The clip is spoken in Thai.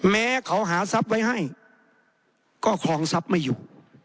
แม้เขาหาทรัพย์ไว้ให้ก็ครองทรัพย์ไม่อยู่